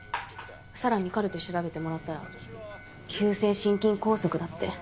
四朗にカルテを調べてもらったら急性心筋梗塞だって。